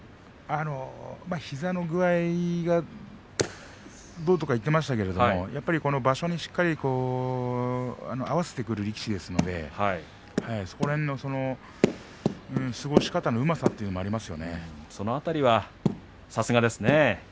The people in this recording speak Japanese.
膝の具合がどうとか言っていましたが場所にしっかり合わせてくる力士ですのでそこら辺の過ごし方のうまさその辺りはさすがですね。